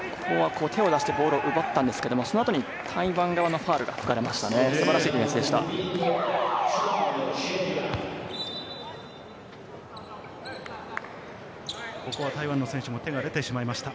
手を出してボールを奪ったんですけど、そのあと台湾側のファウルが吹かれました。